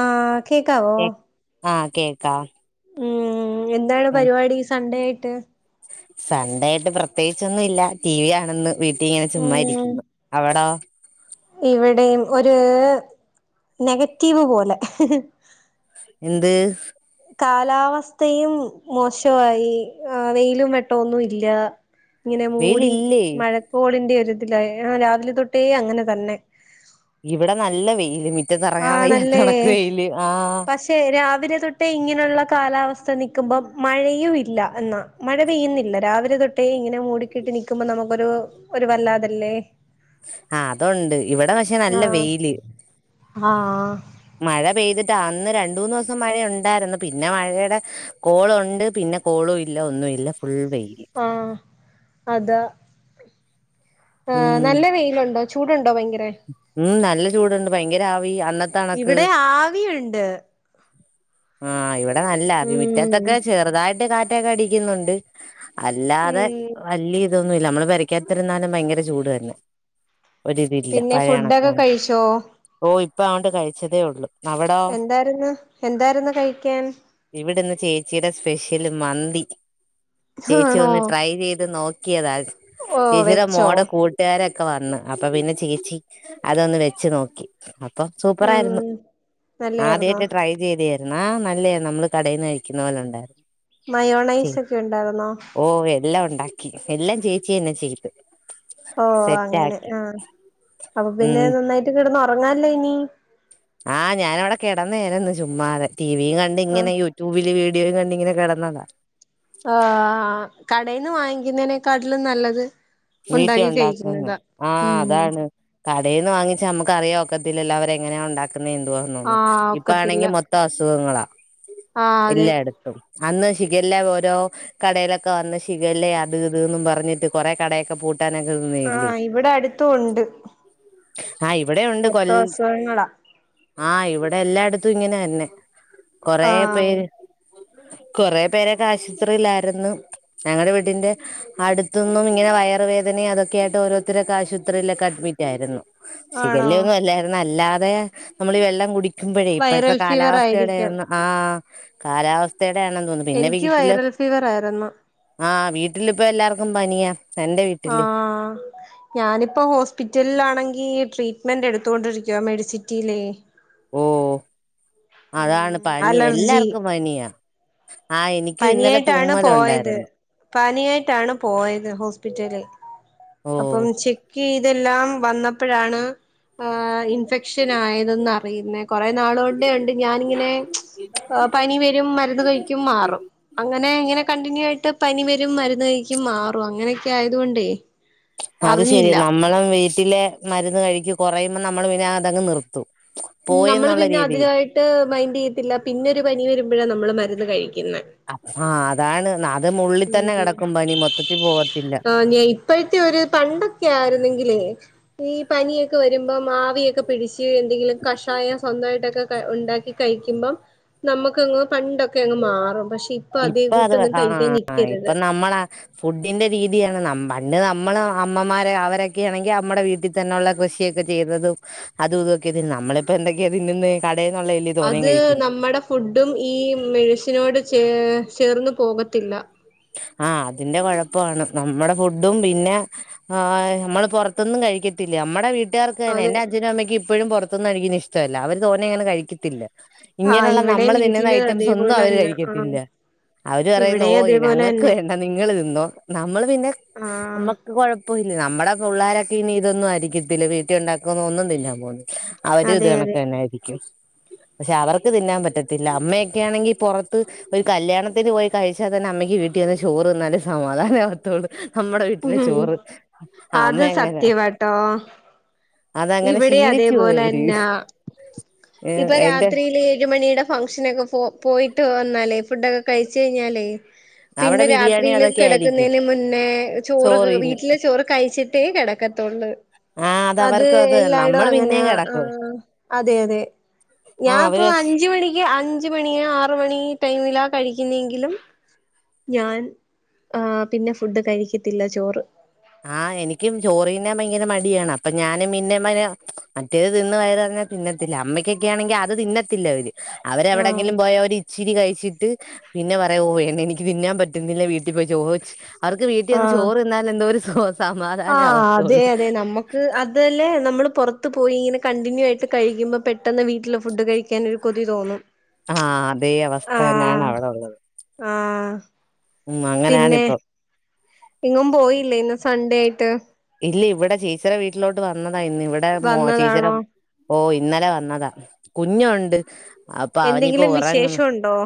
ആഹ് കേക്കാവോ. ആഹ് കേക്കാം ഉം എന്താണ് ഉം പരിപാടി സൺഡേ ആയിട്ട്. സൺഡേ ആയിട്ട് പ്രത്യേകിച്ചൊന്നുവില്ല ടി വി കാണുന്നു. വീട്ടീ ഇങ്ങനെ ചുമ്മാ ഇരിക്കുന്നു. അവടോ ഇവിടേം ഒര് നെഗറ്റീവ് പോലെ. എന്ത് കാലാവസ്ഥയും മോശവായി ആഹ് വെയിലും വെട്ടവൊന്നും ഇല്ല ഇങ്ങനെ മൂടി വെയിലില്ലേ മഴക്കോളിന്റെ ഒരു ഇതിലായി അഹ് രാവിലെ തൊട്ടേ അങ്ങനെ തന്നെ. ഇവിടെ നല്ല വെയില് മിറ്റത്തെറങ്ങാൻ ആണല്ലേ വയ്യാത്തകണക്ക് വെയില് ആഹ്. [unintelligible] രാവിലെ തൊട്ടേ ഇങ്ങനൊള്ള കാലാവസ്ഥ നിക്കുമ്പൊ മഴയും ഇല്ല എന്ന മഴ പെയ്യുന്നില്ല രാവിലെ തൊട്ടേ ഇങ്ങനെ മൂടിക്കെട്ടി നിൽക്കുമ്പോൾ നമുക്കൊരു ഒരു വല്ലാതല്ലേ. ആഹ് അതൊണ്ട് ഇവിടെ പക്ഷേ നല്ല ആഹ് വെയില്. ആഹ്. മഴ പെയ്തിട്ട് അന്ന് രണ്ട്, മൂന്ന് ദിവസം മഴ ഉണ്ടായിരുന്നു പിന്നെ മഴയുടെ കോളുണ്ട് പിന്നെ കോളും ഇല്ല ഒന്നുമില്ല ഫുൾ വെയില്. ആഹ് അതാ. ആഹ് ഉം നല്ല വെയിലുണ്ടോ ചൂടുണ്ടോ ഭയങ്കര ഉം നല്ല ചൂടുണ്ട് ഭയങ്കര ആവി അന്ന ഇവിടെ ആവിണ്ട്. ആഹ് ഇവിടെ നല്ല ആവി ഉം മിറ്റത്തൊക്കെ ചെറുതായിട്ട് കാറ്റൊക്കെ അടിക്കുന്നുണ്ട്. അല്ലാതെ ഉം വല്ല്യ ഇതൊന്നുല്ല നമ്മള് പെരക്കകത്തിരുന്നാലും ഭയങ്കര ചൂട് തന്നെ. ഒരിതില്ല പിന്നെ പഴയ ഫുഡൊക്കെ കണക്കാണ് കഴിച്ചോ ഓഹ് ഇപ്പ ആണ്ട് കഴിച്ചതേ ഉള്ളൂ അവിടോ. എന്താരുന്നു, എന്താരുന്നു കഴിക്കാൻ. ഇവിടുന്ന് ചേച്ചീടെ സ്പെഷ്യല് മന്തി ചേച്ചി ആണോ ഒന്ന് ട്രൈ ചെയ്ത് നോ ക്കിയതാ ഓ ചേച്ചീടെ വെച്ചോ മോടെ കൂട് ട്ടാരൊക്കെ വന്നു അപ്പൊ പിന്നെ ചേച്ചി അതൊന്ന് വെച്ചുനോക്കി. അപ്പം സൂപ്പറായിരുന്നു ഉം നല്ലായിരുന്നോ ആദ്യായിട്ട് ട്രൈ ചെയ്തയാ. എന്നാ നല്ലയാരുന്നു നമ്മള് കടേന്നു കഴിക്കുന്ന പോലെ ഉണ്ടായിരുന്നു. മയോണൈസ് ചെയ്തു ഒക്കെ ഉണ്ടായിരുന്നോ ഓഹ് എല്ലാം ഒണ്ടാക്കി എല്ലാം ചേച്ചി തന്നെ ചെയ്തു. ഓഹ് സെറ്റ് അങ്ങനെ ആക്കി ആ അപ്പ പിന്നെ ഉം നന്നായിട്ട് കെടന്നൊറങ്ങാല്ലോ ഇനി. ആ ഞാനവിടെ കെടന്നയാരുന്നു ചുമ്മാതെ ടിവിയും ആഹ് കണ്ടിങ്ങനെ യു ട്യൂബില് വീഡിയോ കണ്ടിങ്ങനെ കെടന്നതാ. ആ കടേന്ന് വാങ്ങിക്കുന്നതിനേക്കാട്ടിലും നല്ലത് വീട്ടി ഉണ്ടാക്കി ഒണ്ടാക്കുന്നയാ കഴിക്കുന്നതാ ആ ഉം അതാണ്. കടേന്ന് വാങ്ങിച്ചാ നമുക്കറിയാ ഒക്കത്തില്ലല്ലോ അവരെങ്ങനെയാ ഒണ്ടാക്ക ന്തുവാന്നെന്നോ ആഹ് ഇപ്പ ഒക്കത്തില്ല ആണെങ്കി മൊത്തം അസുഖങ്ങളാ ആഹ് അതെ എല്ലാടത്ത അന്ന് ഷിഗില്ല ഓരോ കടേലൊക്കെ വന്ന് അന്വേഷിക്കുവല്ലേ അത് ഇതൂന്നും പറഞ്ഞിട്ട് കൊറെ കടയൊക്കെ പൂട്ട ട്ടാനൊക്കെ നിന്നെയല്ലേ. ആഹ് ഇവിടെ അടുത്തും ഉണ്ട് ആ ഇവിടേ ഒണ്ട് കൊൽ മൊത്തം അസുഖങ്ങളാ ആ ഇവിടെല്ലായിടത്തും ഇങ്ങനെ തന്നെ കൊറെ ആഹ് പേര് കൊറേ പേരൊക്കെ ആശൂത്രിലായിരുന്നു. ഞങ്ങടെ വീടിന്റെ അടുത്തുന്നും ഇങ്ങനെ വയറുവേദനേം അതൊക്കെയായിട്ട് ഓരോരുത്തരൊക്കെ ആശൂത്രിലൊ അഡ്മിറ്റ് ആയിരുന്നു ആണോ ഷിഗില്ല ഒന്നും അല്ലാരുന്നു അല്ലാതെ നമ്മളീ വെള്ളം കുടി ക്കുമ്പഴേ ഇപ്പഴ്ത്തെ വൈറൽ ഫീവർ ആയിരിക്കും കാലാവസ്ഥയുടെയൊന്നു ആ കാലവസ്ഥേടെയാണ് എനിക്ക് വൈറൽ ഫീവർ ആരുന്നു. ആ വീട്ടിലിപ്പ എല്ലാർക്കും പനിയാ എന്റെ വീട്ട ആഹ് ഞാനിപ്പ ഹോസ്പിറ്റലിലാണെങ്കി ട്രീറ്റ്മെൻ്റ് എടുത്തുകൊണ്ടിരിക്കുവാ മെഡിസിറ്റിയിലേ. ഓഹ് അതാണ് ഉം പനി, അലർജി എല്ലാർക്കും പനിയാ. ആ എനിക്കും ഇന്നലെ പനിയായിട്ടാണ് പോയത് തുമ്മലുണ്ടായിരുന്നു പനിയായിട്ടാണ് പോയത് ഹോസ്പിറ്റലില്. ഓ അപ്പം ചെക്ക് ചെയ്തെല്ലാം വന്നപ്പഴാണ് ആ ഇൻഫെക്ഷൻ ആയതെന്ന് അറിയുന്നേ കൊറെ നാളുകൊണ്ടേ ഒണ്ട് ഞാനിങ്ങനെ പനി വരും മരുന്ന് കഴിക്കും മാറും. അങ്ങനെ ഇങ്ങനെ കണ്ടിന്യൂ ആയിട്ട് പനി വരും മരുന്ന് കഴിക്കും മാറും അങ്ങനെയൊക്കെ ആയതുകൊണ്ടേ അത് ശെരിയാ അറിഞ്ഞില്ല നമ്മള് വീട്ടിലെ മരുന്ന് കഴിക്കും കുറയുമ്പോ നമ്മള് പിന്നെ അതങ്ങ് നിർത്തും ഉം നമ്മള് പോയെന്നുള്ള പിന്നെ രീതി അതിനായിട്ട് മൈൻറ് ചെയ്യത്തില്ല പിന്നൊരു പനി വരുമ്പഴാ നമ്മള് മരുന്ന് കഴിക്കുന്നെ അഹ് അതാണ് അതങ്ങുള്ളിൽ തന്നെ കെടക്കും പനി മൊത്തത്തി പോവത്തില്ല പനി ഇപ്പഴത്തെയൊരു പണ്ടൊക്കെ ആയിരുന്നെങ്കിലേ പ്പ ഈ പനിയൊക്കെ വരുമ്പോ ആവിയൊക്കെ പിടിച്ച് എന്തെങ്കിലും കഷായം സ്വന്തായിട്ടൊക്കെ ക ഉണ്ടാക്കി കഴിക്കുമ്പം നമുക്കങ്ങ് പണ്ടൊക്കെയങ്ങു മാറും പക്ഷെ ഇപ്പൊ അതേക്കൂട്ടൊന്നും കഴിക്കാൻ ആ നിക്കരുത് ഇപ്പം നമ്മളാ ഫുഡിന്റെ രീതിയണ് പണ്ട് നമ്മള് അമ്മമാര് അവരൊക്കെ ആണെങ്കിൽ നമ്മടെ വീട്ടി തന്നെയുള്ള കൃഷിയൊക്കെ ചെയ്തതും അതും ഇതൊക്കെ നമ്മളിപ്പോ എന്തൊക്കെയാ തിന്നുന്നെ കടേന്നൊള്ളതല്ല്യോ തോനേം അത് കഴിക്കുന്നെ നമ്മടെ ഫുഡും ഈ മെഴുസിനോട് ചേ ചേർന്ന് പോകത്തില്ല ആ അതിന്റെ കൊഴപ്പാണ് നമ്മുടെ ഫുഡും പിന്നെ ആ നമ്മള് പൊറത്തുന്നും കഴിക്കത്തില്ലേ നമ്മടെ വീ ട്ടാർക്ക് തന്നെ അതെ എന്റെ അച്ഛനും അമ്മക്കും ഇപ്പഴും പൊറത്തുന്നു കഴിക്കുന്ന ഇഷ്ടല്ല അവര് തോനെ അങ്ങനെ കഴിക്കത്തില്ല ആഹ് ഇങ്ങനെയുള്ള ഇവിടെയും നമ്മള് തിന്നുന്ന വീട്ടില് ഐറ്റംസ് ഒന്നും അതേപോലെ അവര് തന്നെ ആഹ് കഴിക്കത്തില്ല അവര് പറയുന്ന ഓ ഇവിടെയും അതേപോലെ ഞങ്ങക്ക് തന്നെ വേണ്ട നിങ്ങള് തിന്നോ നമ്മൾ പിന്നെ നമ്മ ആഹ് ക്ക് കൊഴപ്പൊല്ല നമ്മട പിള്ളാരൊക്കെ ഇനി ഇതൊന്നു ആരിക്കത്തില്ല വീട്ടി ഒണ്ടാക്കുന്ന ഒന്നും തിന്നാൻ പോന്നില്ല അവര് ഇത് അതെ അതെ കണക്കന്നാരിക്കും പഷെ അവർക്ക് തിന്നാം പറ്റത്തില്ല അമ്മെക്കാണെങ്കി പൊറത്ത് ഒരുകല്യാണത്ത്ന് പോയ് കഴച്ചാതന്ന അമ്മക്ക് വീട്ടിവന്ന് ചോറ് തിന്നാലെ സമാധാനവത്തോള് അമ്മട വീട്ട്ലെ ഉം ചോറ് ആ അത് അമ്മെ അങ്ങന സത്യവാട്ടോ അതങ്ങന ഇവിടെ ശീലിച്ചു പോയവര് അതേപോലെന്നാ ഇപ്പൊ രാത്രിയില് ഏഴു മണീടെ ഫംഗ്ഷനൊക്കെ പോ പോയിട്ട് വന്നാലേ ഫുഡൊക്കെ കഴിച്ച് കഴിഞ്ഞാലേ പിന്നെ അവിടെ ബിരിയാണി രാത്രിയില് അതൊക്കെ ആയിരിക്കും കെടക്കുന്നേന് മുന്നേ ചോറ് വീട്ടിലെ ചോറ് കഴിച്ചി- ട്ടേ കെടക്കത്തൊള്ള് ആ അത് അതവർക്ക് എല്ലായിടം നമ്മള് അങ്ങനെയ പിന്നേം കിടക്കും ആഹ് അതെ അതെ ആ ഞാൻ ഇപ്പോ അവര് അഞ്ചു മണിക്ക് അഞ്ചു മണി ആറു മണി ടൈമിലാ കഴിക്കുന്നെങ്കിലും ഞാൻ ആഹ് പിന്നെ ഫുഡ് കഴിക്കത്തില്ല ചോറ് ആഹ് എനിക്കും ചോറ്ന്ന ഭയങ്കര മടിയാണ് അപ്പൊ ഞാനും പിന്നെ മ മറ്റേത് തിന്ന് വയറു നിറഞ്ഞ പിന്നെ തിന്ന അമ്മക്കൊക്കെയാണെങ്കി അത് തിന്നത്തില്ല അവല് ആഹ് അവരെവിടെങ്കിലും പോയ ഒരു ഇച്ചിരി കഴിച്ചിട്ട് പിന്നെ പറയാ ഓഹ് എനിക്ക് തിന്നാൻ പറ്റുന്നില്ല വീട്ടിപ്പോയി ചോയ്ച്ച് അവർക്ക് വീട്ടിനിന്ന് ആഹ് ചോറിതിന്നാലെന്തോ ഒരു ഹൊ സമാധാനാവത്തേ ഒള്ളു ക്ക് അതല്ലേ നമ്മള് പൊർത്ത് പോയി ഇങ്ങനെ കണ്ടിന്യൂ ആയിട്ട് കഴിയ്ക്കുമ്പം പെട്ടെന്ന് വീട്ടിലെ ഫുഡ് കഴി ക്കാനൊരു കൊതി തോന്നും ആഹ് അതേ അവസ്ഥ തന്നെയാണ് ആഹ് അവിടെ ഉള്ളത് ആഹ് ഉം പിന്നെ അങ്ങനാണിപ്പം എങ്ങും പോയില്ലേ ഇന്ന് സൺഡേയായിട്ട് ഇല്ല ഇവിടെ ചേച്ചിടെ വീട്ടിലോട്ട് വന്നതാ ഇന്ന് ഇവിടെ മോ ചേച്ചിടെ വന്നതാണോ ഓഹ് ഇന്നലെ വന്നതാ കുഞ്ഞൊണ്ട് അപ്പൊ അവനിപ്പോ എന്തെങ്കിലും ഒറങ്ങുന്നു വിശേഷം ഉണ്ടോ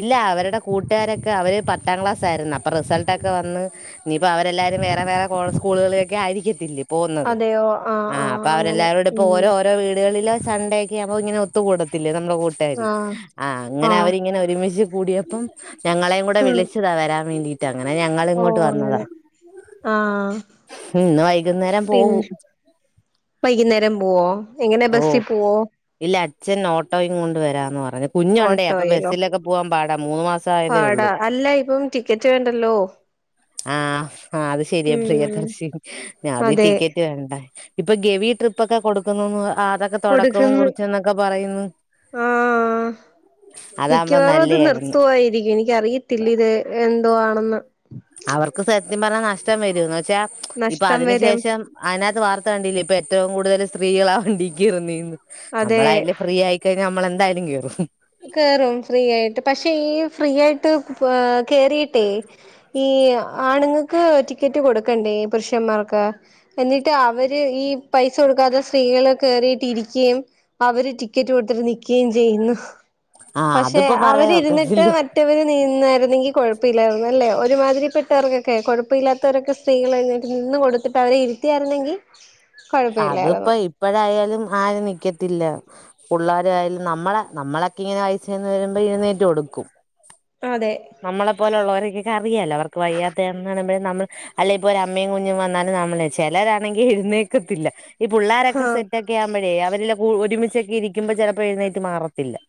ഇല്ല അവരടെ കൂട്ടാരൊക്കെ അവര് പത്താം ക്ലാസ്സാരുന്നു അപ്പൊ റിസൾട്ടൊക്കെ വന്ന് ഇനിയിപ്പം അവരെല്ലാരും വേറെ വേറെ കോ സ്കൂളുകളിലേക്ക് ആയിരിയ്ക്കത്തില്ലെ പോവുന്നത് അതെയോ ആഹ് അപ്പ അങ്ങനെ അവരെല്ലാവരും കൂടെ ഇപ്പോ ഉം ഓരോ ഓരോ വീടുകളില് സണ്ടേ യാവുമ്പൊ ഇങ്ങനെ ഒത്തുകൂടത്തില്ലേ നമ്മളെ കൂട്ട്കാര് ആഹ് ആഹ് അങ്ങനെ അവരിങ്ങനെ ഒരുമിച്ച് കൂടിയപ്പം ഞങ്ങളേയും കൂടെ വിളിച്ചതാ വരാൻ വേണ്ടിട്ട് അങ്ങനെ ഞങ്ങള് ഇങ്ങോട്ട് വന്നതാ ആഹ് ആഹ് ഉം ഇന്ന് വൈകുന്നേരം പോവും പിന്നെ വൈകുന്നേരം പോവോ എങ്ങെനാ ഓ ബസ്സി പോവോ ഇല്ല അച്ഛൻ ഓട്ടോയും കൊണ്ട് വരാന്ന് പറഞ്ഞ് കുഞ്ഞൊണ്ടേ അപ്പൊ ഓട്ടോയിലോ ബസ്സിലൊക്കെ പോവാൻ പാടാ മൂന്ന് മാ- സായതേ പാടാ ഒള്ളൂ അല്ല ഇപ്പം ടിക്കറ്റ് വേണ്ടല്ലോ ആഹ് ആഹ് അത് ശെരിയാ പ്രിയ ഉം ദർശിനി ഞാ അതി അതെ ടിക്കറ്റ് വേണ്ട ഇപ്പൊ ഗവി ട്രിപ്പൊക്കെ കൊടുക്കുന്നൂന്ന് ആഹ് അതൊ തൊടക്കം കൊടുക്കുന്നു കുറിച്ച് ന്നൊക്കെ പറയ്ന്ന് ആഹ് മിക്കവാറും അത് നിർത്തുവായിരിക്കും എനിക്കറിയത്തില്ല ഇത് എന്തോ ആണെന്ന് അവർക്ക് സത്യം പർഞ്ഞാ നഷ്ടം വെരും എന്നുവെച്ചാ ഇപ്പ നഷ്ടം വരും അതിന്ശേഷം അയ്നകത്ത് വാർത്ത കണ്ടില്ലേ ഇപ്പ ഏറ്റവും കൂടുതല് സ്ത്രീകളാ വണ്ടി കേറുന്നേന്ന് അതെ നമ്മളയ്ല് ഫ്രീ ആയി ക്കയിഞ്ഞ ഞമ്മളെന്തായാലും കേറും കേറും ഫ്രീയായിട്ട് പക്ഷെ ഈ ഫ്രീയായിട്ട് എഹ് കേറിയിട്ടേ ഈ ആണ്ങ്ങക്ക് ടിക്കറ്റ് കൊടുക്കണ്ടേ പുരുഷന്മാർക്ക് എന്നിട്ട് അവര് ഈ പൈസ കൊടുക്കാതെ സ്ത്രീകള് കേറിയിട്ട് ഇരിക്ക്യേം അവര് ടിക്കറ്റ് കൊട്ത്ത്ട്ട് നിക്ക് യേംചെയ്യുന്നു ആഹ് പക്ഷെ അതിപ്പോ അവര് ഇരുന്നിട്ട് പറയാനൊക്കത്തില്ല മ റ്റെവര് നിന്നായിരുന്നെങ്കി കൊഴപ്പഇല്ലായിരുന്നു അല്ലേ ഒരുമാതിരിപ്പെട്ടവർക്കൊക്കെ കൊഴപ്പ ഇല്ലാത്തവരൊക്കെ സ്ത്രീകള് എഴുന്നേറ്റ് നിന്ന് കൊട്ത്തിട്ട് അവരെ ഇരുത്തിയാര്ന്നെങ്കി അതിപ്പോ ഇപ്പഴായാലും ആരും നിക്കത്തില്ല പുള്ളാരായാലും നമ്മള് നമ്മളൊക്കെയിങ്ങനെ വയസ്സ് [unintelligible] വരുമ്പഴ് ഇങ്ങനെ എഴുന്നേറ്റ് കൊടുക്കും അതെ നമ്മളെ പോലെ ഉള്ളവർക്കെക്കെ അറിയാല്ലോ അവർക്ക് വയ്യാത്തയാണെന്ന് കാണുമ്പഴ് നമ്മൾ അല്ലെയി ഇപ്പൊ ഒര് അമ്മയും കുഞ്ഞും വന്നാലും നമ്മള് ചെലരാണെങ്കി എഴ്ന്നേക്കത്തില്ല ഈ പുള്ളാരൊക്കെ ആഹ് സെറ്റൊക്കെ ആവുമ്പഴേ അവരെല്ലം കു ഒരുമിച്ചൊക്കെ ഇരിക്ക്യുമ്പൊ ചെലപ്പൊ എഴുന്നേറ്റ് മാറ ത്തില്ലാ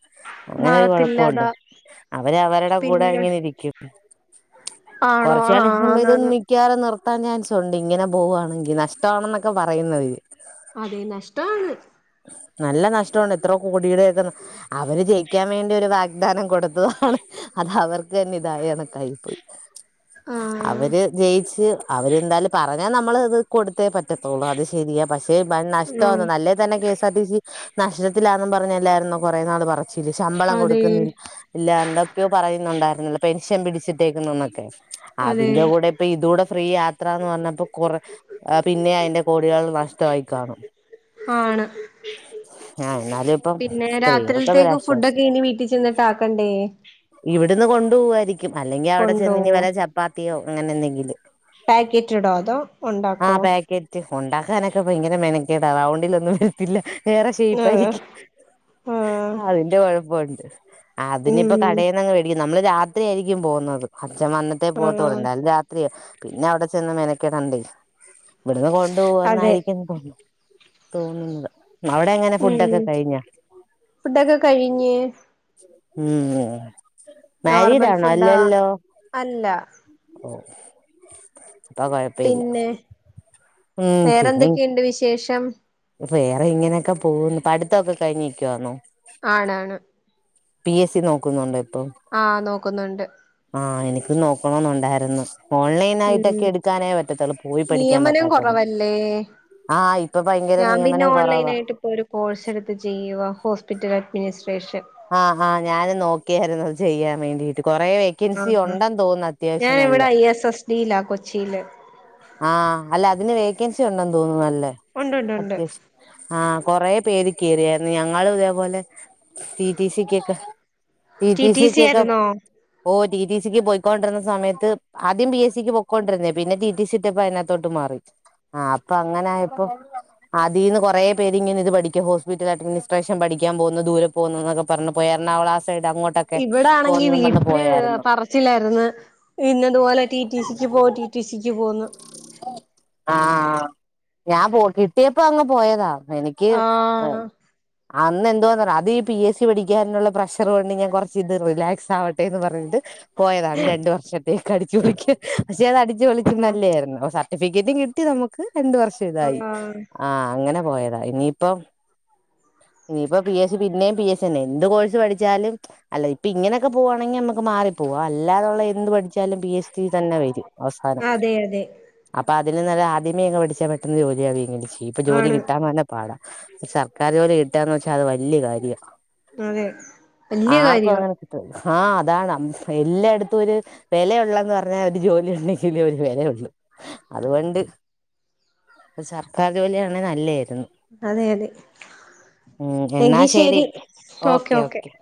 അങ്ങനെ ഒരു കൊഴപ്പൊഉണ്ട് മാറത്തില്ലതാ അവര് അവര്ടെ കൂടെ പിന്നെ ഇങ്ങനെ ഇരിക്കും ആണോ കൊറച്ച് കാലം ആഹ് [unintelligible] നി ആന്നാന്ന് മിക്കവാകും നിർത്താൻ ചാൻസുണ്ട് ഇങ്ങനെ പോവുവാണെങ്കി നഷ്ടമാണെന്നൊക്കെ പറയുന്നവര് അതെ നഷ്ടവാണ് നല്ല നഷ്ടവാണ് എത്രോ കോടിടെ ഒക്കെ അവര് ജയിക്കാൻ വേണ്ടി ഒരു വാഗ്ദാനം കൊടുത്തതാണ് അത് അവർക്ക് തന്നെ ഇതായ കണക്കായി പോയി ആഹ് അവര് ജയിച്ച് അവര് എന്തായാലും പറഞ്ഞാ നമ്മള് ഇത് കൊടുത്തേ പറ്റത്തൊള്ളൂ അത്‌ ശരിയാ പക്ഷേ വൻനഷ്ട ഉം വാന്ന് നല്ലെ തന്നെ K S R T C നഷ്ടത്തിലാന്നും പറഞ്ഞ് അല്ലാരുന്നോ കൊറേ നാള് പറച്ചില് ശമ്പളം അതെ കൊട്ക്ക്ന്നി ഇല്ല എന്തൊക്കെയോ പറയുന്നുണ്ടായിരുന്നല്ലോ പെൻഷൻ പിടിച്ചിട്ടേക്കുന്നുന്നൊക്കെ അതെ അതിന്റെ കൂടെ അപ്പ ഇതൂടെ ഫ്രീ യാത്ര എന്ന് പർഞ്ഞപ്പോ കൊറേ ആഹ് പിന്നെ അയ്ന്റെ കോടികൾ നഷ്ടമായി കാണും ആണ് ആ എന്നാലും ഇപ്പം പിന്നെ രാത്രിൽത്തേയ്ക്ക് സ്ത്രീകൾക്കതൊരാശ്വാസം ഫുഡൊക്കെ ഇനി വീട്ടി ചെന്നിട്ട് ആക്കണ്ടേ ഇവ്ട്ന്ന് കൊണ്ടു പൂവായിരിക്കും അല്ലെങ്കിൽ അവിടെ ചെന്ന് ഇനി കൊണ്ടോവോ വല്ല ചപ്പാത്തിയോ അങ്ങനെ എന്തെങ്കിലും പാക്കറ്റ്ഡോ അതോ ഒണ്ടാക്കോ കറ്റ് ഉണ്ടാക്കാനൊക്കെ ഭയങ്കര മെനക്കേടാ റൗണ്ടിലൊന്നും വരത്തില്ല വേറെ ഷേപ്പ് ആഹ് ആയിരിക്കും ആഹ് അതിന്റെ കൊഴപ്പൊഉണ്ട് ആഹ് അതിനി ഇപ്പൊ ഉം കടേന്നങ് വേടിക്കും നമ്മള് രാത്രി ആയിരിക്കും പോകുന്നത് അപ്പച്ഛൻ വന്നിട്ടേ പോകത്തൊള്ള് ആഹ് എന്തായാലും രാ പിന്നെ അവിടെ ചെന്ന് മെനക്കേടണ്ടേ ഇവിടുന്ന് കൊണ്ടു അതെ പോവന്നായിരിക്കും തോന്നുന്നത് അവിടെ എങ്ങന ഉം ഫുഡൊക്കെ കഴിഞ്ഞ ഫുഡൊക്കെ കഴിഞ്ഞ് ഉം നോർമൽ മാരീഡാണോ ഫുഡാ അല്ലല്ലോ അല്ല ഓഹ് അപ്പ കൊഴപ്പില്ല പിന്നെ ഉം പിന്നെ എന്തുണ്ട് വിശേഷം വേറെ ഇങ്ങനെയൊക്കെ പോന്ന് പഠിത്തൊക്കെ കഴിഞ്ഞ് നിക്കുവാന്നോ ആണാണ് പി എസ് സി നോക്കുന്നുണ്ടോ ഇപ്പം ആഹ് നോക്കുന്നോണ്ട് ആഹ് എനിക്കും നോക്കണോന്നൊണ്ടായിരുന്നു ഓൺലൈൻ ആയിട്ടൊക്കെ ഉം എടുക്കാനേ പറ്റത്തോള്ളൂ പോയി പഠിക്കാൻ നിയമനം പറ്റാത്തോർക്ക് കൊറവല്ലേ ആഹ് ഇപ്പം ഞാൻ പിന്നെ ഓൺലൈൻ ആയിട്ട് ഇപ്പൊ ഒരു കോഴ്സ് എടുത്ത് ചെയ്യുവാ ഹോസ്പിറ്റൽ അഡ്മിനിസ്ട്രേഷൻ ആഹ് ആഹ് ഞാൻ നോക്കിയായിരുന്നു അത് ചെയ്യാൻ വേണ്ടീട്ട് കൊറെ വെ വേക്കൻസി ആഹ് ഉണ്ടെന്ന് തോന്നുന്നു അത്യാവശ്യം ഞാൻ നല്ല ഇവിടെ ഐ എസ് എസ് ഡിയിലാ കൊച്ചിയില് ആഹ് അല്ല അതിന് വേക്കൻസി ഉണ്ടെന്ന് തോന്നുന്നു നല്ലേ ഉണ്ട് ഉണ്ട് ഉണ്ട് അത്യാവശ്യം ആഹ് കൊറേ പേര് കേറിയായിരുന്നു ഞങ്ങളും ഇതേപോലെ റ്റി റ്റി സി കൊക്കെ T T T T C ക്കൊക്കെ ആയിരുന്നോ ഓഹ് റ്റി റ്റി സിക്ക് പോയിക്കൊണ്ടിരുന്ന സമയത്ത് ആദ്യം പി എസ് സിക്ക് പോക്കോണ്ടിരുന്നയ പിന്നെ റ്റി റ്റി സി കിട്ടിയപ്പൊ അതിനാത്ത് തൊട്ട് മാറി ആഹ് അപ്പൊ അങ്ങനെ ആയപ്പൊ അതീന്ന് കൊറേ പേര് ഇങ്ങനെ ഇത് പഠിക്കും ഹോസ്പിറ്റൽ അഡ്മിനിസ്ട്രേഷൻ പഠിക്കാൻ പോകുന്നു ദൂരെ പോകുന്നുന്നൊക്കെ പറഞ്ഞു പോയി എറണാകുളം ആ സൈഡ് അങ്ങോട് ഇവിടെ ആണെങ്കി വീട്ടില് പറച്ചിലായിരുന്ന് ഇന്നതുപോലെ റ്റി റ്റി സിക്ക് പോ റ്റി റ്റി സിക്ക് പോന്ന് ആഹ് ഞാൻ പോ കിട്ടിയപ്പോ അങ്ങ് പോയതാ എനിക്ക് ആഹ് അന്ന് എന്തുവാന്നറിയ അത് ഈ പി എസ് സി സി പഠിക്കാനുള്ള പ്രഷർ കൊണ്ട് ഞാൻ കുറച്ച് ഇത് റിലാക്സ് ആവട്ടെ എന്ന് പറഞ്ഞിട്ട് പോയതാണ് രണ്ട് വർഷത്തേക്ക് അടിച്ച് പൊളിക്കാൻ പക്ഷെ അത് അടിച്ച് പൊളിച്ച് ആഹ് നല്ലയായിരുന്ന് സർട്ടിഫിക്കറ്റും കിട് ട്ടി നമുക്ക് രണ്ട് വർഷം ഇതായി. ആഹ് ആഹ് അങ്ങനെ പോയതാ ഇനിയിപ്പം ഇനിയിപ്പ പി എസ് സി പിന്നെയും പി എസ് സി തന്നെ എന്ത് കോഴ്സ് പഠിച്ചാലും അല്ല ഇപ്പൊ ഇങ്ങനൊക്കെ പോവാണെങ്കിൽ നമ്മക്ക് മാറി പോവും അല്ലാതുള്ള എന്ത് പഠിച്ചാലും പി എസ് സി തന്നെ വരും അവസാനം അതെ അതെ അപ്പൊ അതിന് നല്ല ആദ്യമേ അങ്ങ് പഠിച്ചാൽ പെട്ടെന്ന് ജോലിയാവെങ്കിലും ചെയ്യും. ഇപ്പൊ ജോലി ആണ് കിട്ടാൻ തന്നെ പാടാ സർക്കാർ ജോലി കിട്ടാന്ന് വെച്ചാ അത് വലയ കാര്യ. അതെ വല്യ ആർക്കും കാര്യവാ അങ്ങനെ കിട്ടും ആഹ് അതാണ് എല്ലായിടത്തും ഒര് വെലയുള്ളന്ന് പറഞ്ഞാൽ ഒര് ജോലി ഉണ്ടെങ്കിലെ ഒര് വെലയുള്ളൂ അതുകൊണ്ട് ഒര് സർക്കാർ ജോലിയാണെ നല്ലയാര്ന്നു അതെ അതെ എങ്കി ശരി ഓക്കെ ഓക്കെ